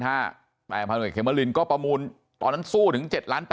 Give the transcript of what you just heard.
แต่พระหน่วยเขมรินก็ประมูลตอนนั้นสู้ถึง๗ล้าน๘